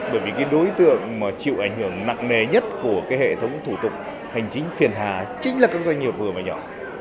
bởi vì cái đối tượng mà chịu ảnh hưởng nặng nề nhất của cái hệ thống thủ tục hành chính phiền hà chính là các doanh nghiệp vừa và nhỏ